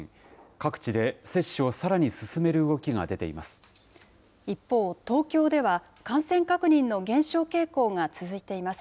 各地で接種をさらに進める動きが出ています。